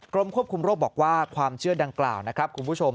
กรมควบคุมโรคบอกว่าความเชื่อดังกล่าวนะครับคุณผู้ชม